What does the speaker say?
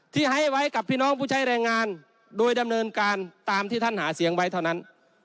ที่ให้ไว้กับพี่น้องผู้ใช้แรงงานโดยดำเนินการตามที่ท่านหาเสียงไว้เท่านั้น